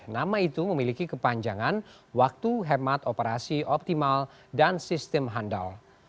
nama itu memiliki kepanjangan waktu hemat operasi optimal dan sistem handal